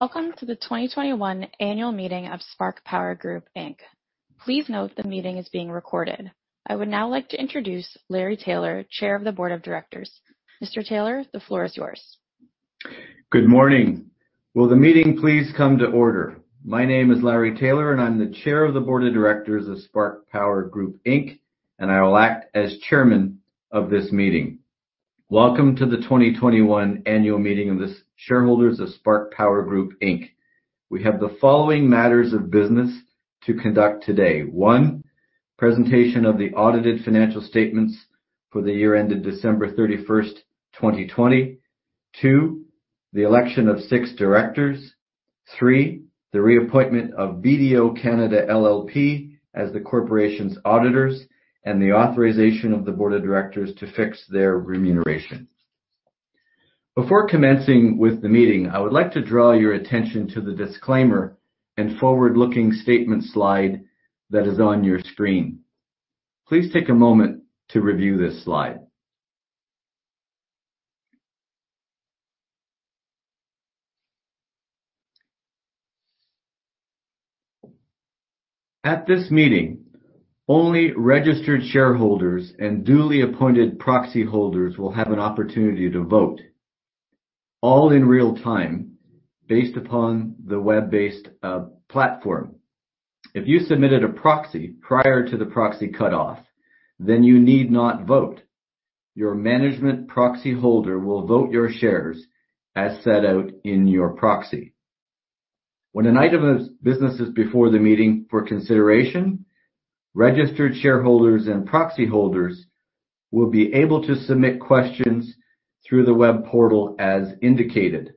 Welcome to the 2021 annual meeting of Spark Power Group Inc. Please note the meeting is being recorded. I would now like to introduce Larry Taylor, Chair of the Board of Directors. Mr. Taylor, the floor is yours. Good morning. Will the meeting please come to order? My name is Larry Taylor, and I'm the chair of the board of directors of Spark Power Group Inc., and I will act as chairman of this meeting. Welcome to the 2021 annual meeting of the shareholders of Spark Power Group Inc. We have the following matters of business to conduct today. One. Presentation of the audited financial statements for the year ended December 31, 2020. Two. The election of six directors. Three. The reappointment of BDO Canada LLP as the corporation's auditors and the authorization of the board of directors to fix their remuneration. Before commencing with the meeting, I would like to draw your attention to the disclaimer and forward-looking statement slide that is on your screen. Please take a moment to review this slide. At this meeting, only registered shareholders and duly appointed proxy holders will have an opportunity to vote, all in real time based upon the web-based platform. If you submitted a proxy prior to the proxy cutoff, then you need not vote. Your management proxy holder will vote your shares as set out in your proxy. When an item of business is before the meeting for consideration, registered shareholders and proxy holders will be able to submit questions through the web portal as indicated.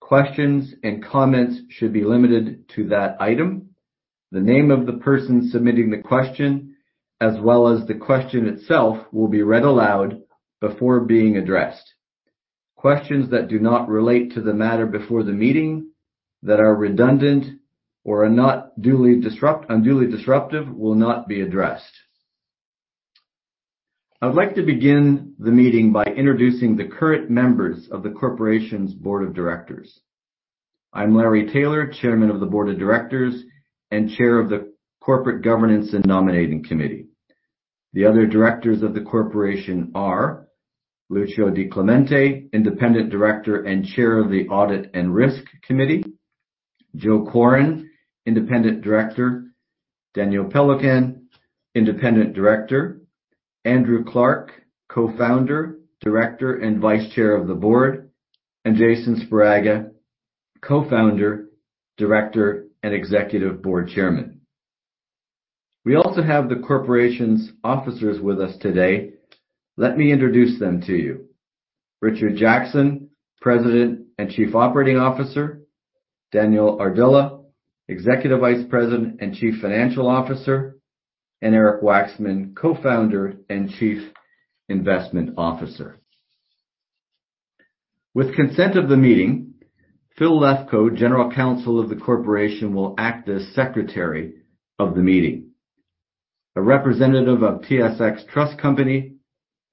Questions and comments should be limited to that item. The name of the person submitting the question, as well as the question itself will be read aloud before being addressed. Questions that do not relate to the matter before the meeting, that are redundant or are unduly disruptive will not be addressed. I would like to begin the meeting by introducing the current members of the corporation's Board of Directors. I'm Larry Taylor, Chairman of the Board of Directors and Chair of the Corporate Governance and Nominating Committee. The other Directors of the corporation are Lucio Di Clemente, independent Director and Chair of the Audit and Risk Committee. Joseph Quarin, independent Director. Daniel Péloquin, independent Director. Andrew Clark, Co-founder, Director, and Vice Chair of the Board, and Jason Sparaga, Co-founder, Director, and Executive Board Chairman. We also have the corporation's officers with us today. Let me introduce them to you. Richard Jackson, President and Chief Operating Officer. Daniel Ardila, Executive Vice President and Chief Financial Officer. Eric Waxman, Co-founder and Chief Investment Officer. With consent of the meeting, Phil Lefcoe, General Counsel of the corporation, will act as Secretary of the meeting. A representative of TSX Trust Company,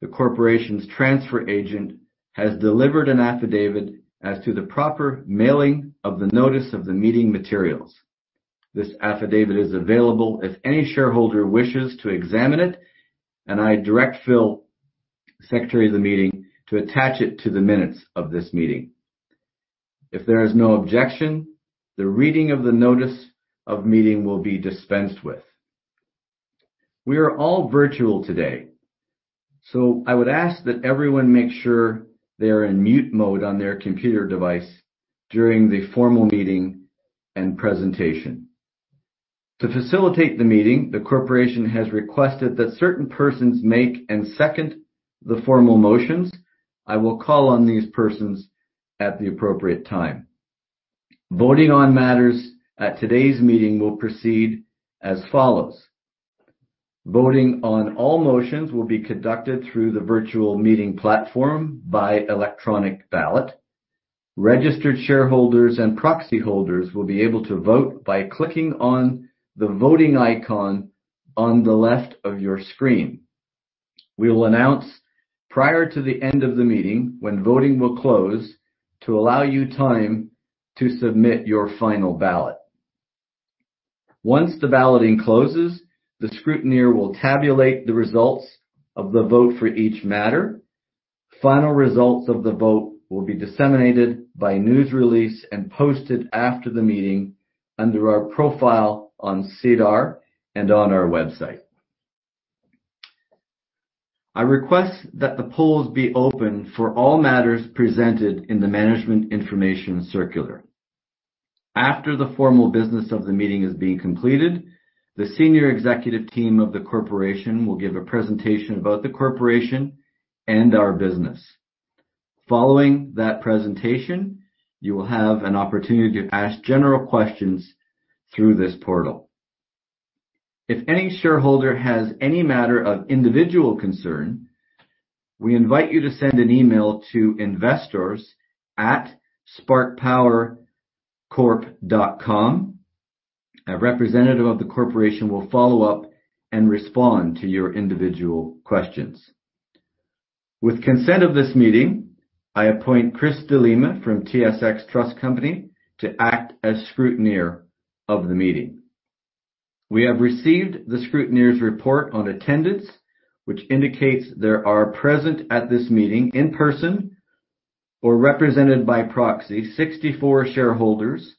the corporation's transfer agent, has delivered an affidavit as to the proper mailing of the notice of the meeting materials. This affidavit is available if any shareholder wishes to examine it, and I direct Phil, secretary of the meeting, to attach it to the minutes of this meeting. If there is no objection, the reading of the notice of meeting will be dispensed with. We are all virtual today, so I would ask that everyone makes sure they are in mute mode on their computer device during the formal meeting and presentation. To facilitate the meeting, the corporation has requested that certain persons make and second the formal motions. I will call on these persons at the appropriate time. Voting on matters at today's meeting will proceed as follows. Voting on all motions will be conducted through the virtual meeting platform by electronic ballot. Registered shareholders and proxy holders will be able to vote by clicking on the voting icon on the left of your screen. We will announce prior to the end of the meeting when voting will close to allow you time to submit your final ballot. Once the balloting closes, the scrutineer will tabulate the results of the vote for each matter. Final results of the vote will be disseminated by news release and posted after the meeting under our profile on SEDAR and on our website. I request that the polls be open for all matters presented in the management information circular. After the formal business of the meeting has been completed, the senior executive team of the corporation will give a presentation about the corporation and our business. Following that presentation, you will have an opportunity to ask general questions through this portal. If any shareholder has any matter of individual concern, we invite you to send an email to investors@sparkpowercorp.com. A representative of the corporation will follow up and respond to your individual questions. With consent of this meeting, I appoint Christopher de Lima from TSX Trust Company to act as scrutineer of the meeting. We have received the scrutineer's report on attendance, which indicates there are present at this meeting, in person or represented by proxy, 64 shareholders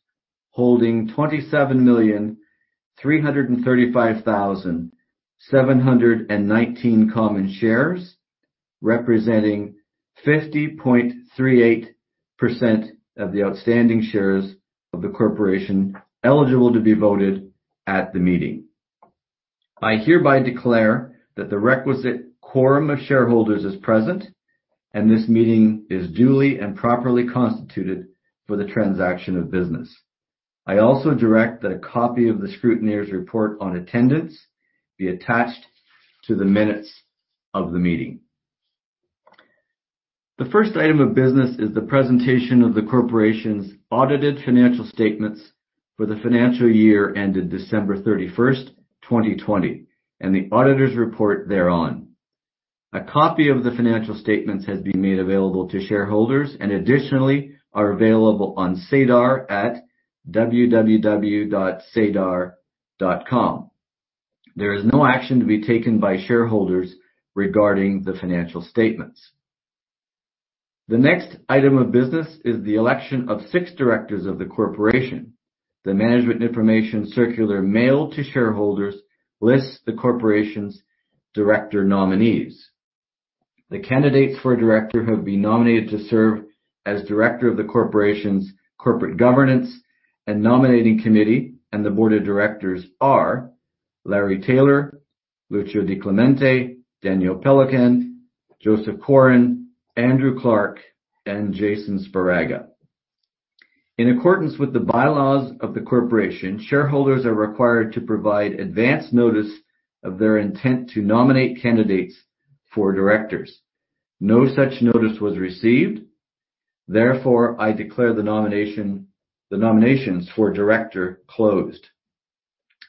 holding 27,335,719 common shares, representing 50.38% of the outstanding shares of the corporation eligible to be voted at the meeting. I hereby declare that the requisite quorum of shareholders is present, and this meeting is duly and properly constituted for the transaction of business. I also direct that a copy of the scrutineer's report on attendance be attached to the minutes of the meeting. The first item of business is the presentation of the corporation's audited financial statements for the financial year ended December 31st, 2020, and the auditor's report thereon. A copy of the financial statements has been made available to shareholders, and additionally, are available on SEDAR at www.sedar.com. There is no action to be taken by shareholders regarding the financial statements. The next item of business is the election of six directors of the corporation. The management information circular mailed to shareholders lists the corporation's director nominees. The candidates for director who have been nominated to serve as director of the corporation's corporate governance and nominating committee and the board of directors are Larry Taylor, Lucio Di Clemente, Daniel Péloquin, Joseph Quarin, Andrew Clark, and Jason Sparaga. In accordance with the bylaws of the corporation, shareholders are required to provide advance notice of their intent to nominate candidates for directors. No such notice was received. Therefore, I declare the nominations for director closed.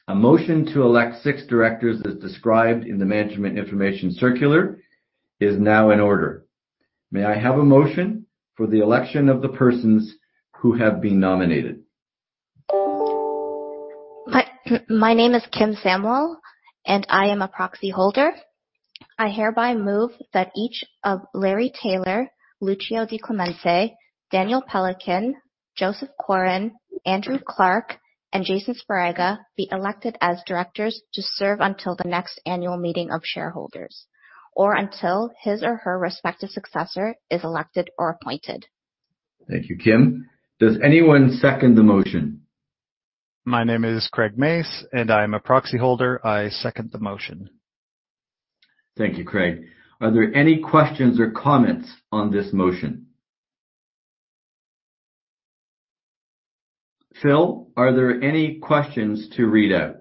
A motion to elect 6 directors as described in the management information circular is now in order. May I have a motion for the election of the persons who have been nominated? My name is Kim Samlall, and I am a proxy holder. I hereby move that each of Larry Taylor, Lucio Di Clemente, Daniel Péloquin, Joseph Quarin, Andrew Clark, and Jason Sparaga be elected as directors to serve until the next annual meeting of shareholders, or until his or her respective successor is elected or appointed. Thank you, Kim. Does anyone second the motion? My name is Craig Mace, and I am a Proxy Holder. I second the motion. Thank you, Craig. Are there any questions or comments on this motion? Phil, are there any questions to read out?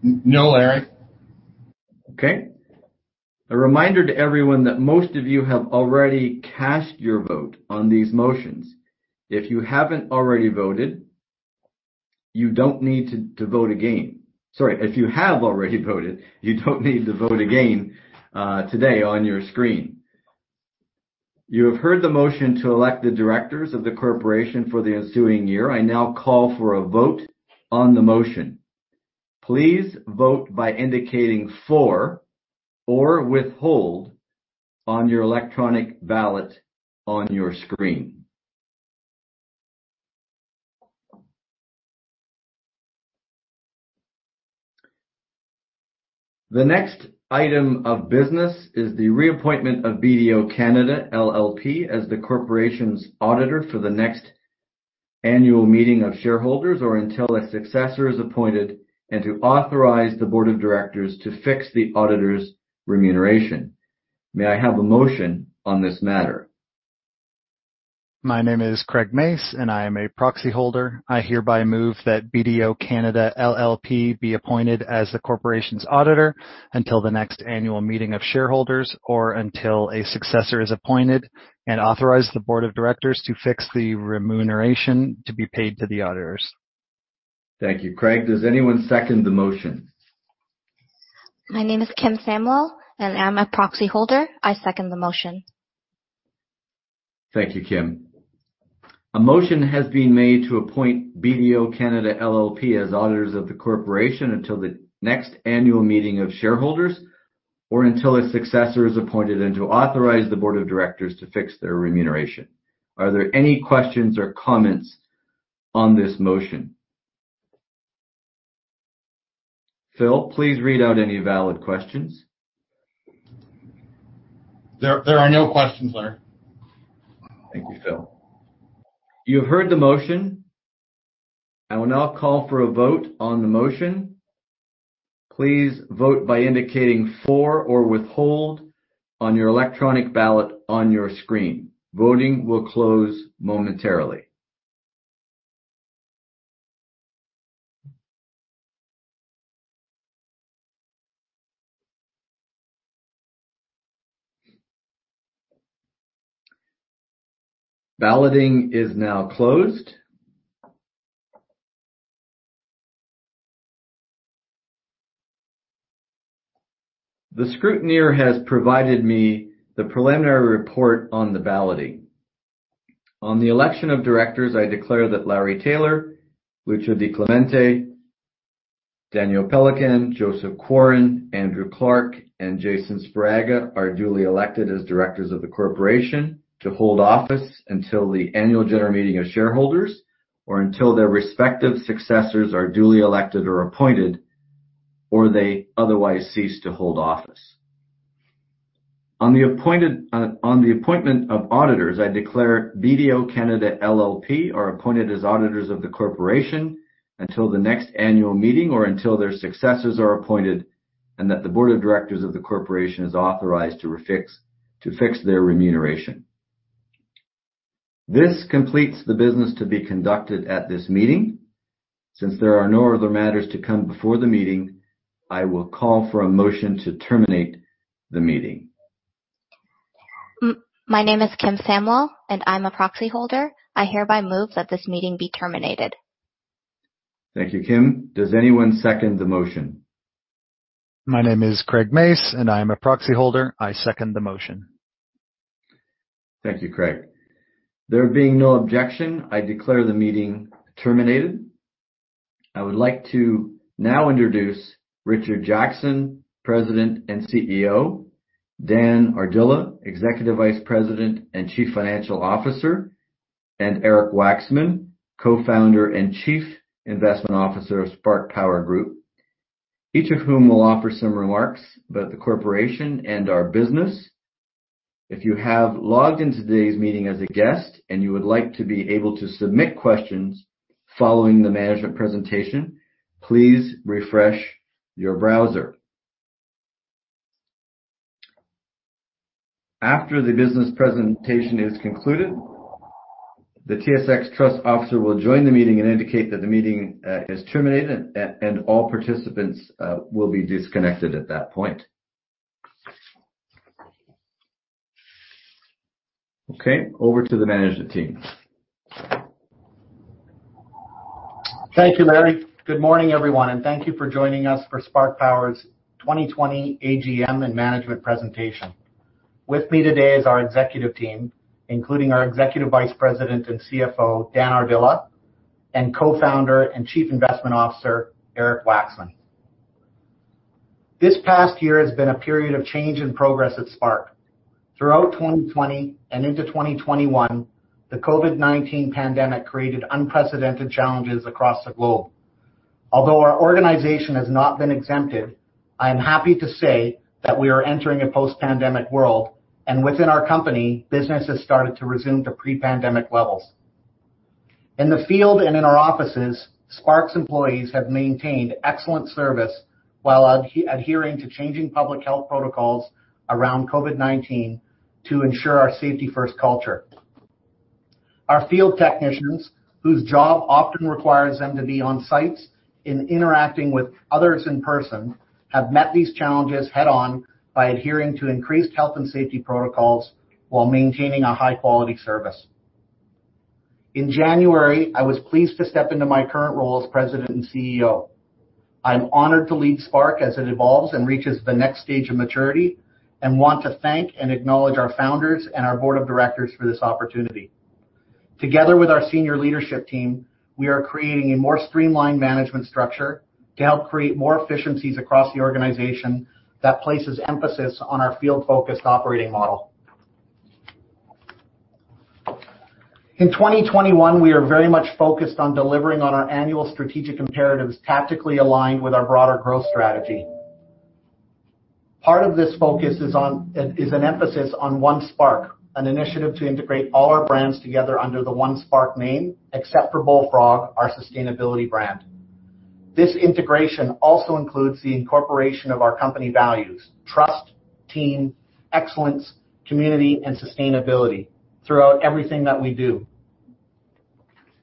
No, Larry. Okay. A reminder to everyone that most of you have already cast your vote on these motions. If you haven't already voted, you don't need to vote again. Sorry. If you have already voted, you don't need to vote again today on your screen. You have heard the motion to elect the directors of the corporation for the ensuing year. I now call for a vote on the motion. Please vote by indicating for or withhold on your electronic ballot on your screen. The next item of business is the reappointment of BDO Canada LLP as the corporation's auditor for the next annual meeting of shareholders or until a successor is appointed, and to authorize the board of directors to fix the auditor's remuneration. May I have a motion on this matter? My name is Craig Mace, and I am a proxy holder. I hereby move that BDO Canada LLP be appointed as the corporation's auditor until the next annual meeting of shareholders, or until a successor is appointed, and authorize the board of directors to fix the remuneration to be paid to the auditors. Thank you, Craig. Does anyone second the motion? My name is Kim Samlall, and I'm a proxy holder. I second the motion. Thank you, Kim. A motion has been made to appoint BDO Canada LLP as auditors of the corporation until the next annual meeting of shareholders, or until a successor is appointed, and to authorize the board of directors to fix their remuneration. Are there any questions or comments on this motion? Phil, please read out any valid questions. There are no questions, Larry. Thank you, Phil. You have heard the motion. I will now call for a vote on the motion. Please vote by indicating for or withhold on your electronic ballot on your screen. Voting will close momentarily. Balloting is now closed. The scrutineer has provided me the preliminary report on the balloting. On the election of directors, I declare that Larry Taylor, Lucio Di Clemente, Daniel Péloquin, Joseph Quarin, Andrew Clark, and Jason Sparaga are duly elected as directors of the corporation to hold office until the annual general meeting of shareholders, or until their respective successors are duly elected or appointed, or they otherwise cease to hold office. On the appointment of auditors, I declare BDO Canada LLP are appointed as auditors of the corporation until the next annual meeting or until their successors are appointed, and that the board of directors of the corporation is authorized to fix their remuneration. This completes the business to be conducted at this meeting. Since there are no other matters to come before the meeting, I will call for a motion to terminate the meeting. My name is Kim Samlall, and I'm a proxy holder. I hereby move that this meeting be terminated. Thank you, Kim. Does anyone second the motion? My name is Craig Mace, and I am a proxy holder. I second the motion. Thank you, Craig. There being no objection, I declare the meeting terminated. I would like to now introduce Richard Jackson, President and CEO, Dan Ardila, Executive Vice President and Chief Financial Officer, and Eric Waxman, Co-founder and Chief Investment Officer of Spark Power Group, each of whom will offer some remarks about the corporation and our business. If you have logged into today's meeting as a guest and you would like to be able to submit questions following the management presentation, please refresh your browser. After the business presentation is concluded, the TSX Trust officer will join the meeting and indicate that the meeting is terminated, and all participants will be disconnected at that point. Over to the management team. Thank you, Larry. Good morning, everyone, and thank you for joining us for Spark Power's 2020 AGM and management presentation. With me today is our executive team, including our Executive Vice President and CFO, Dan Ardila, and Co-founder and Chief Investment Officer, Eric Waxman. This past year has been a period of change and progress at Spark. Throughout 2020 and into 2021, the COVID-19 pandemic created unprecedented challenges across the globe. Although our organization has not been exempted, I am happy to say that we are entering a post-pandemic world, and within our company, business has started to resume to pre-pandemic levels. In the field and in our offices, Spark's employees have maintained excellent service while adhering to changing public health protocols around COVID-19 to ensure our safety-first culture. Our field technicians, whose job often requires them to be on sites and interacting with others in person, have met these challenges head-on by adhering to increased health and safety protocols while maintaining a high-quality service. In January, I was pleased to step into my current role as President and CEO. I'm honored to lead Spark as it evolves and reaches the next stage of maturity and want to thank and acknowledge our founders and our board of directors for this opportunity. Together with our senior leadership team, we are creating a more streamlined management structure to help create more efficiencies across the organization that places emphasis on our field-focused operating model. In 2021, we are very much focused on delivering on our annual strategic imperatives tactically aligned with our broader growth strategy. Part of this focus is an emphasis on One Spark, an initiative to integrate all our brands together under the One Spark name, except for Bullfrog, our sustainability brand. This integration also includes the incorporation of our company values, trust, team, excellence, community, and sustainability throughout everything that we do.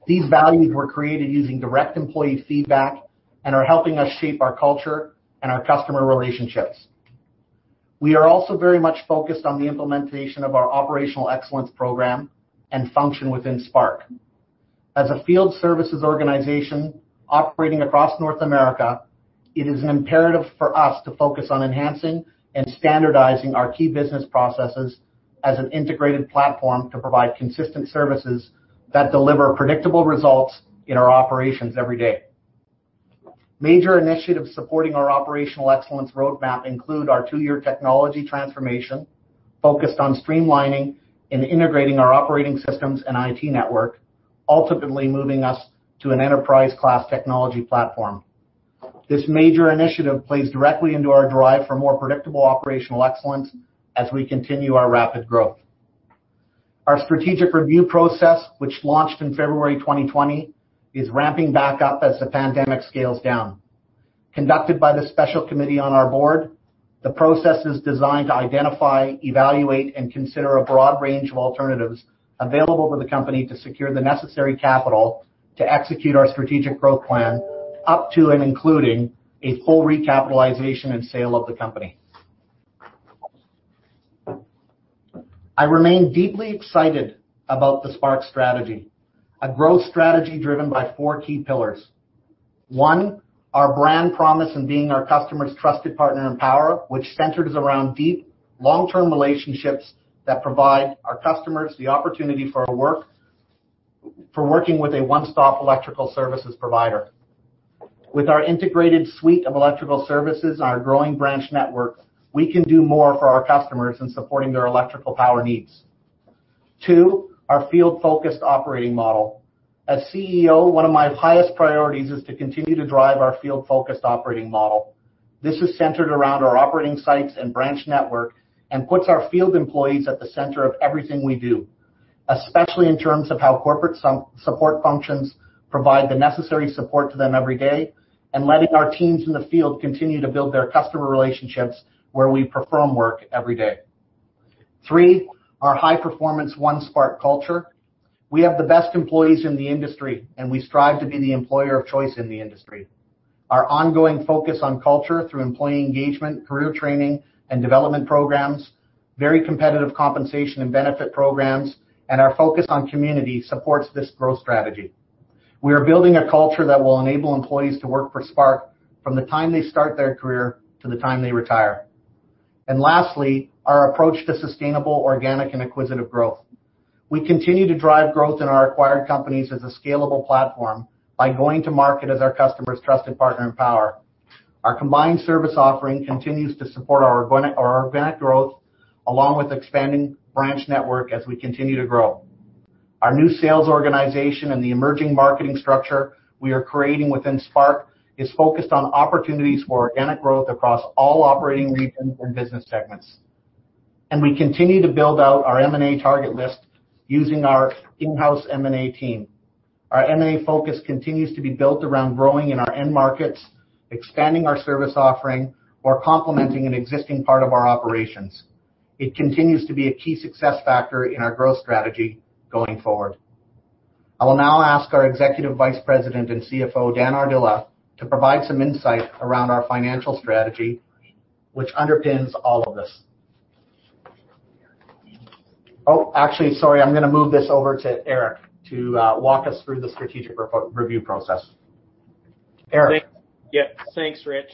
These values were created using direct employee feedback and are helping us shape our culture and our customer relationships. We are also very much focused on the implementation of our operational excellence program and function within Spark. As a field services organization operating across North America, it is imperative for us to focus on enhancing and standardizing our key business processes as an integrated platform to provide consistent services that deliver predictable results in our operations every day. Major initiatives supporting our operational excellence roadmap include our two-year technology transformation, focused on streamlining and integrating our operating systems and IT network, ultimately moving us to an enterprise-class technology platform. This major initiative plays directly into our drive for more predictable operational excellence as we continue our rapid growth. Our strategic review process, which launched in February 2020, is ramping back up as the pandemic scales down. Conducted by the special committee on our board, the process is designed to identify, evaluate, and consider a broad range of alternatives available for the company to secure the necessary capital to execute our strategic growth plan up to and including a full recapitalization and sale of the company. I remain deeply excited about the Spark strategy, a growth strategy driven by four key pillars. One, our brand promise in being our customer's trusted partner in power, which centers around deep, long-term relationships that provide our customers the opportunity for working with a one-stop electrical services provider. With our integrated suite of electrical services and our growing branch network, we can do more for our customers in supporting their electrical power needs. Two, our field-focused operating model. As CEO, one of my highest priorities is to continue to drive our field-focused operating model. This is centered around our operating sites and branch network and puts our field employees at the center of everything we do, especially in terms of how corporate support functions provide the necessary support to them every day, and letting our teams in the field continue to build their customer relationships where we perform work every day. Three, our high-performance One Spark culture. We have the best employees in the industry, and we strive to be the employer of choice in the industry. Our ongoing focus on culture through employee engagement, career training, and development programs, very competitive compensation and benefit programs, and our focus on community supports this growth strategy. We are building a culture that will enable employees to work for Spark from the time they start their career to the time they retire. Lastly, our approach to sustainable, organic, and acquisitive growth. We continue to drive growth in our acquired companies as a scalable platform by going to market as our customer's trusted partner in power. Our combined service offering continues to support our organic growth, along with expanding branch network as we continue to grow. Our new sales organization and the emerging marketing structure we are creating within Spark is focused on opportunities for organic growth across all operating regions and business segments. We continue to build out our M&A target list using our in-house M&A team. Our M&A focus continues to be built around growing in our end markets, expanding our service offering, or complementing an existing part of our operations. It continues to be a key success factor in our growth strategy going forward. I will now ask our Executive Vice President and CFO, Daniel Ardila, to provide some insight around our financial strategy, which underpins all of this. Actually, sorry. I'm going to move this over to Eric to walk us through the strategic review process. Eric? Yeah. Thanks, Rich.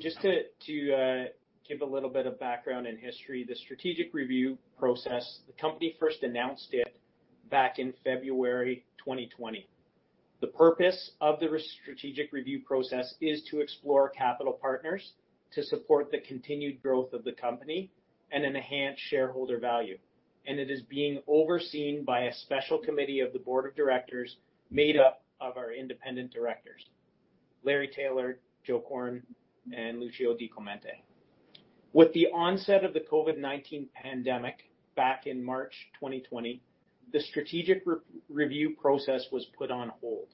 Just to give a little bit of background and history, the strategic review process, the company first announced it back in February 2020. The purpose of the strategic review process is to explore capital partners to support the continued growth of the company and enhance shareholder value. It is being overseen by a special committee of the board of directors made up of our independent directors, Larry Taylor, Joseph Quarin, and Lucio Di Clemente. With the onset of the COVID-19 pandemic back in March 2020, the strategic review process was put on hold.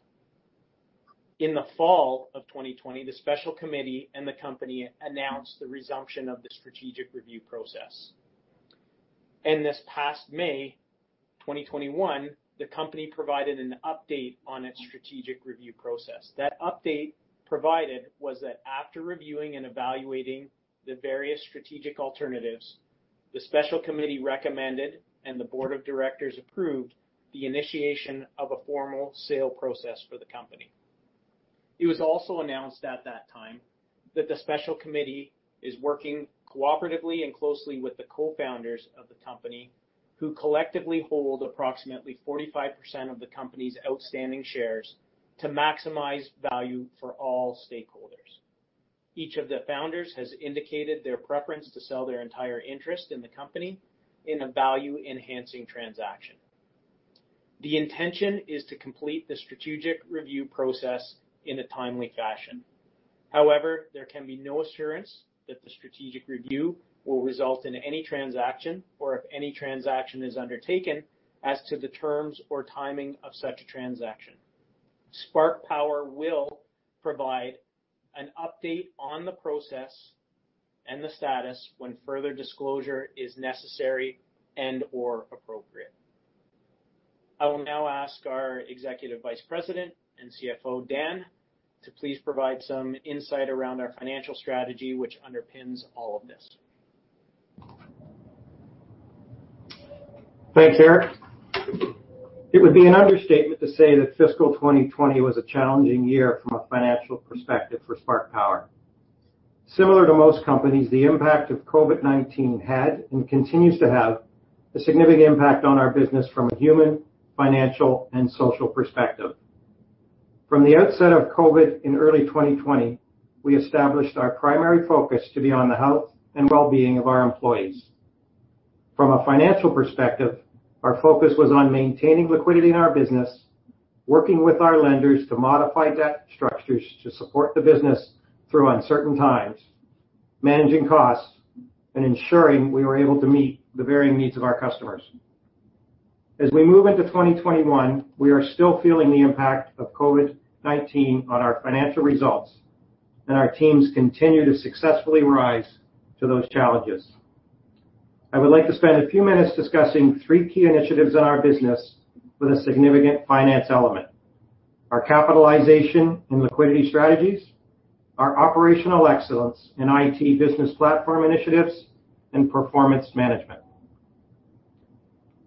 In the fall of 2020, the special committee and the company announced the resumption of the strategic review process. This past May 2021, the company provided an update on its strategic review process. That update provided was that after reviewing and evaluating the various strategic alternatives, the special committee recommended and the board of directors approved the initiation of a formal sale process for the company. It was also announced at that time that the special committee is working cooperatively and closely with the co-founders of the company, who collectively hold approximately 45% of the company's outstanding shares to maximize value for all stakeholders. Each of the founders has indicated their preference to sell their entire interest in the company in a value-enhancing transaction. The intention is to complete the strategic review process in a timely fashion. However, there can be no assurance that the strategic review will result in any transaction or if any transaction is undertaken as to the terms or timing of such a transaction. Spark Power will provide an update on the process and the status when further disclosure is necessary and/or appropriate. I will now ask our Executive Vice President and CFO, Dan, to please provide some insight around our financial strategy, which underpins all of this. Thanks, Eric. It would be an understatement to say that fiscal 2020 was a challenging year from a financial perspective for Spark Power. Similar to most companies, the impact of COVID-19 had and continues to have a significant impact on our business from a human, financial, and social perspective. From the outset of COVID in early 2020, we established our primary focus to be on the health and well-being of our employees. From a financial perspective, our focus was on maintaining liquidity in our business, working with our lenders to modify debt structures to support the business through uncertain times, managing costs, and ensuring we were able to meet the varying needs of our customers. As we move into 2021, we are still feeling the impact of COVID-19 on our financial results, and our teams continue to successfully rise to those challenges. I would like to spend a few minutes discussing three key initiatives in our business with a significant finance element. Our capitalization and liquidity strategies, our operational excellence in IT business platform initiatives, and performance management.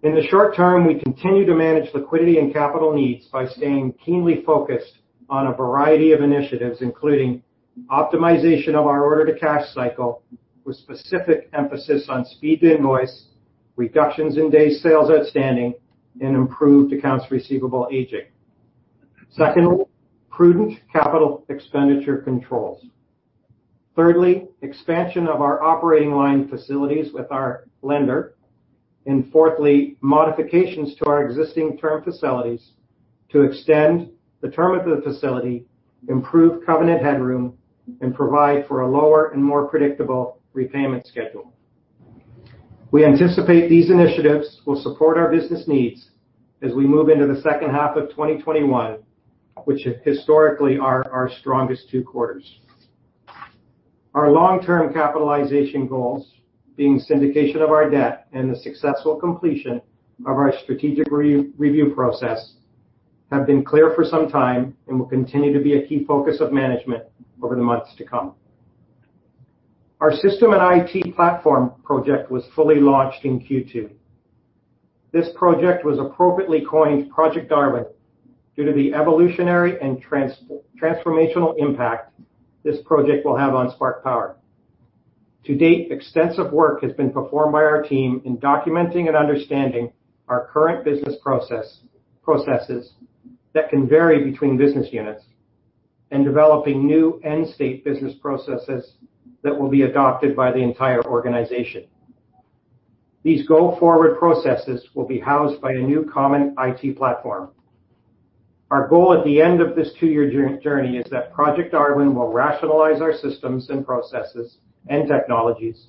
In the short term, we continue to manage liquidity and capital needs by staying keenly focused on a variety of initiatives, including optimization of our order to cash cycle with specific emphasis on speed to invoice, reductions in day sales outstanding, and improved accounts receivable aging. Second, prudent capital expenditure controls. Thirdly, expansion of our operating line facilities with our lender. Fourthly, modifications to our existing term facilities to extend the term of the facility, improve covenant headroom, and provide for a lower and more predictable repayment schedule. We anticipate these initiatives will support our business needs as we move into the second half of 2021, which historically are our strongest two quarters. Our long-term capitalization goals, being syndication of our debt and the successful completion of our strategic review process, have been clear for some time and will continue to be a key focus of management over the months to come. Our system and IT platform project was fully launched in Q2. This project was appropriately coined Project Darwin due to the evolutionary and transformational impact this project will have on Spark Power. To date, extensive work has been performed by our team in documenting and understanding our current business processes that can vary between business units, and developing new end-state business processes that will be adopted by the entire organization. These go-forward processes will be housed by a new common IT platform. Our goal at the end of this two-year journey is that Project Darwin will rationalize our systems and processes and technologies,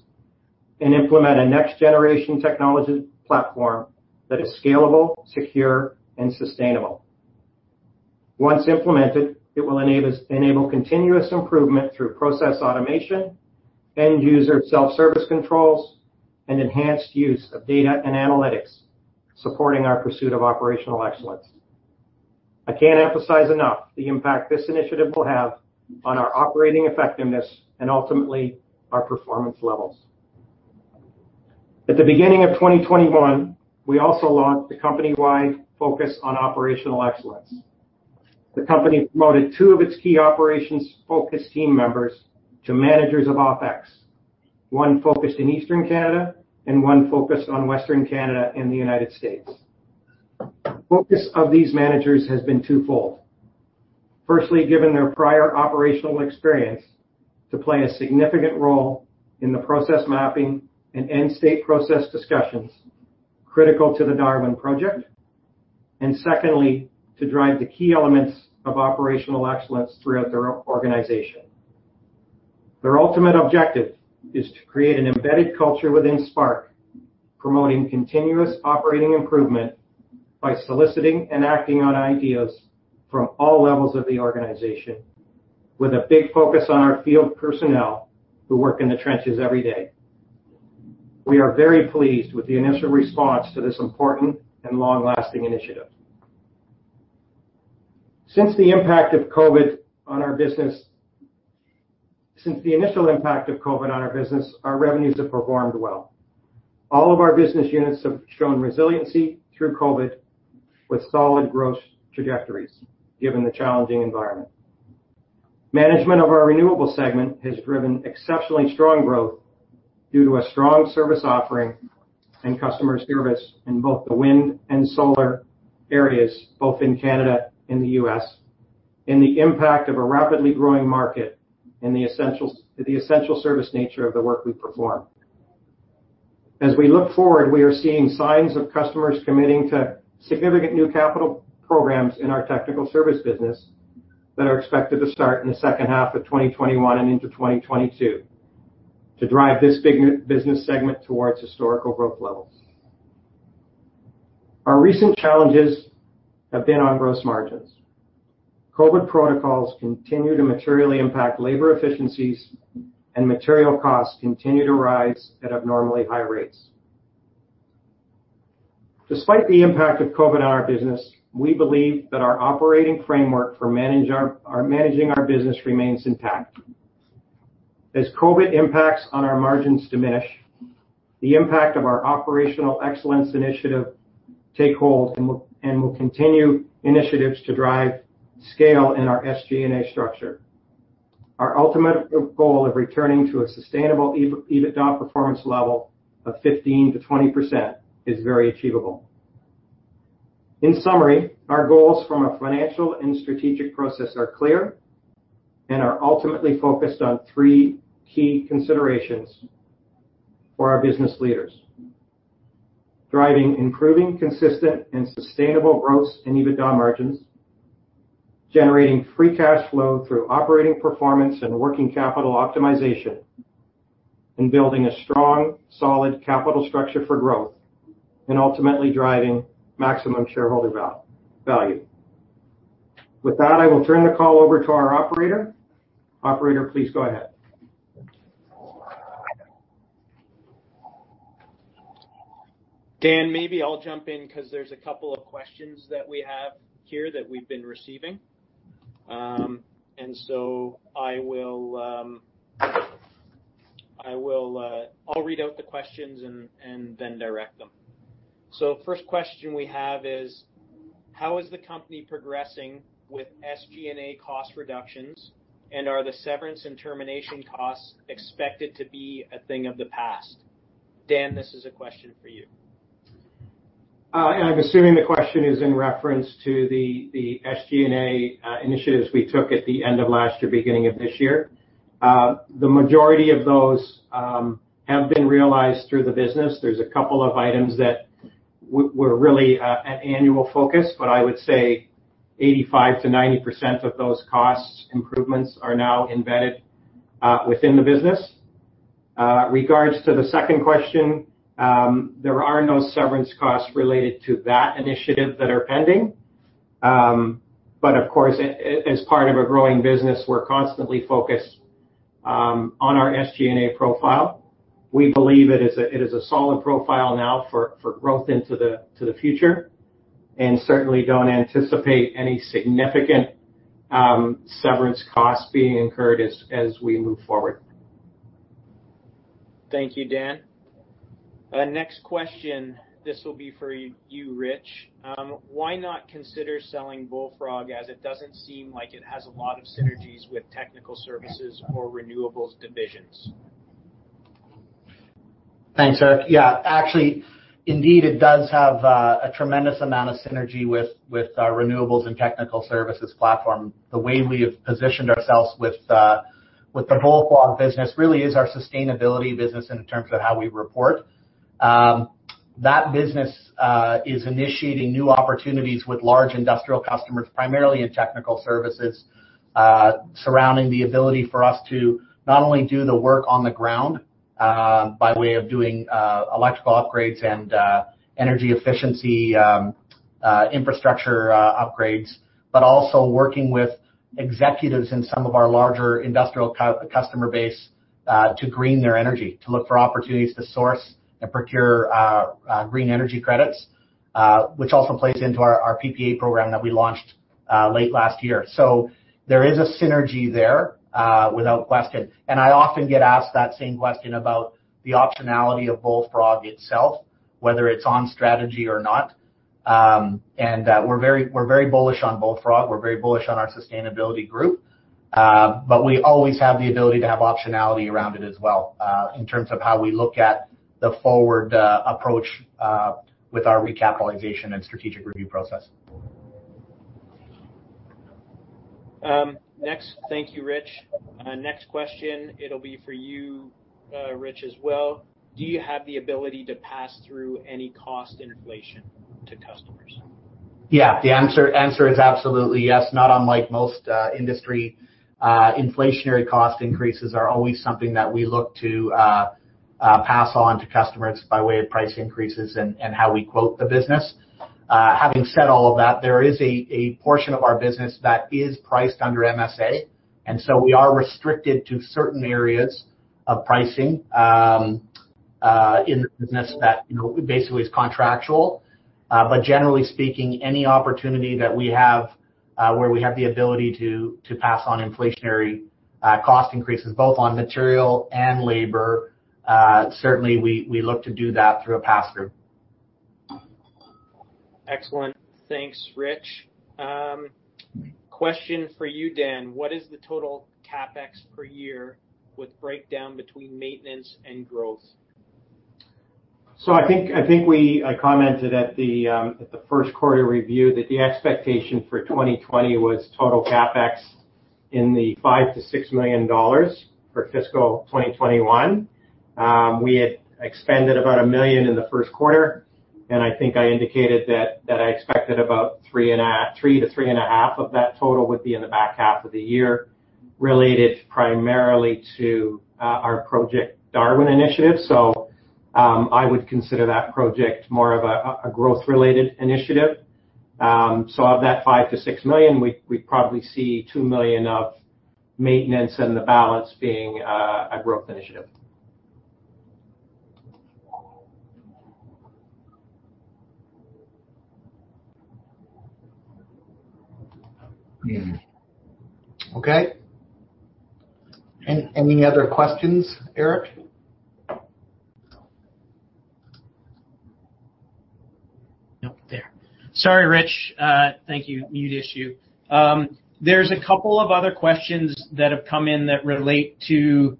and implement a next generation technology platform that is scalable, secure, and sustainable. Once implemented, it will enable continuous improvement through process automation, end-user self-service controls, and enhanced use of data and analytics, supporting our pursuit of operational excellence. I can't emphasize enough the impact this initiative will have on our operating effectiveness and ultimately our performance levels. At the beginning of 2021, we also launched the company-wide focus on operational excellence. The company promoted 2 of its key operations-focused team members to managers of OpEx, 1 focused in Eastern Canada and 1 focused on Western Canada and the United States. The focus of these managers has been twofold. Firstly, given their prior operational experience to play a significant role in the process mapping and end-state process discussions critical to Project Darwin, secondly, to drive the key elements of operational excellence throughout their organization. Their ultimate objective is to create an embedded culture within Spark, promoting continuous operating improvement by soliciting and acting on ideas from all levels of the organization, with a big focus on our field personnel who work in the trenches every day. We are very pleased with the initial response to this important and long-lasting initiative. Since the initial impact of COVID-19 on our business, our revenues have performed well. All of our business units have shown resiliency through COVID-19 with solid growth trajectories, given the challenging environment. Management of our renewables segment has driven exceptionally strong growth due to a strong service offering and customer service in both the wind and solar areas, both in Canada and the U.S., and the impact of a rapidly growing market and the essential service nature of the work we perform. As we look forward, we are seeing signs of customers committing to significant new capital programs in our technical service business that are expected to start in the second half of 2021 and into 2022 to drive this business segment to its historical growth levels. Our recent challenges have been on gross margins. COVID protocols continue to materially impact labor efficiencies, and material costs continue to rise at abnormally high rates. Despite the impact of COVID on our business, we believe that our operating framework for managing our business remains intact. As COVID impacts on our margins diminish, the impact of our operational excellence initiative take hold and will continue initiatives to drive scale in our SG&A structure. Our ultimate goal of returning to a sustainable EBITDA performance level of 15%-20% is very achievable. In summary, our goals from a financial and strategic process are clear and are ultimately focused on three key considerations for our business leaders. Driving improving, consistent, and sustainable growth in EBITDA margins. Generating free cash flow through operating performance and working capital optimization. Building a strong, solid capital structure for growth and ultimately driving maximum shareholder value. With that, I will turn the call over to our operator. Operator, please go ahead. Dan, maybe I'll jump in because there's a couple of questions that we have here that we've been receiving. I'll read out the questions and then direct them. First question we have is: how is the company progressing with SG&A cost reductions? Are the severance and termination costs expected to be a thing of the past? Dan, this is a question for you. I'm assuming the question is in reference to the SG&A initiatives we took at the end of last year, beginning of this year. The majority of those have been realized through the business. There's a couple of items that were really an annual focus, but I would say 85%-90% of those cost improvements are now embedded within the business. Regards to the second question, there are no severance costs related to that initiative that are pending. Of course, as part of a growing business, we're constantly focused on our SG&A profile. We believe it is a solid profile now for growth into the future, and certainly don't anticipate any significant severance costs being incurred as we move forward. Thank you, Dan. Next question, this will be for you, Rich. Why not consider selling Bullfrog as it doesn't seem like it has a lot of synergies with technical services or renewables divisions? Thanks, Eric. Yeah, actually, indeed, it does have a tremendous amount of synergy with our renewables and technical services platform. The way we have positioned ourselves with the Bullfrog business really is our sustainability business in terms of how we report. That business is initiating new opportunities with large industrial customers, primarily in technical services, surrounding the ability for us to not only do the work on the ground by way of doing electrical upgrades and energy efficiency infrastructure upgrades. Also working with executives in some of our larger industrial customer base to green their energy, to look for opportunities to source and procure green energy credits, which also plays into our PPA program that we launched late last year. There is a synergy there, without question. I often get asked that same question about the optionality of Bullfrog itself, whether it's on strategy or not. We're very bullish on Bullfrog. We're very bullish on our sustainability group. We always have the ability to have optionality around it as well in terms of how we look at the forward approach with our recapitalization and strategic review process. Thank you, Rich. Next question, it'll be for you, Rich, as well. Do you have the ability to pass through any cost inflation to customers? Yeah, the answer is absolutely yes. Not unlike most industry, inflationary cost increases are always something that we look to pass on to customers by way of price increases and how we quote the business. Having said all of that, there is a portion of our business that is priced under MSA, and so we are restricted to certain areas of pricing in the business that basically is contractual. Generally speaking, any opportunity that we have where we have the ability to pass on inflationary cost increases, both on material and labor, certainly, we look to do that through a pass-through. Excellent. Thanks, Rich. Question for you, Dan. What is the total CapEx per year with breakdown between maintenance and growth? I think we commented at the first quarter review that the expectation for 2020 was total CapEx in the 5 million-6 million dollars for fiscal 2021. We had expended about 1 million in the first quarter, and I think I indicated that I expected about 3 million-3.5 million of that total would be in the back half of the year, related primarily to our Project Darwin initiative. I would consider that project more of a growth-related initiative. Of that 5 million-6 million, we'd probably see 2 million of maintenance and the balance being a growth initiative. Okay. Any other questions, Eric? No. There. Sorry, Rich. Thank you. Mute issue. There's a couple of other questions that have come in that relate to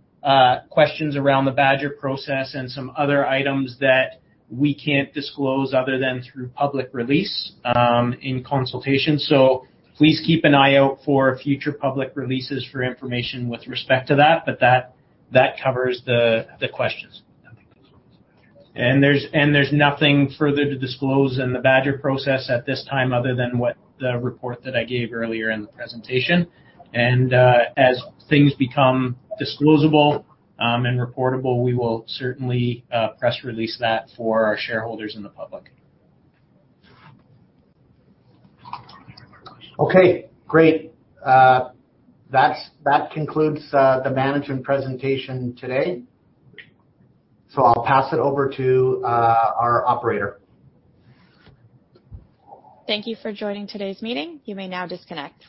questions around the Badger process and some other items that we can't disclose other than through public release in consultation. Please keep an eye out for future public releases for information with respect to that. That covers the questions. There's nothing further to disclose in the Badger process at this time other than what the report that I gave earlier in the presentation. As things become disclosable and reportable, we will certainly press release that for our shareholders and the public. Okay, great. That concludes the management presentation today. I'll pass it over to our operator. Thank you for joining today's meeting. You may now disconnect.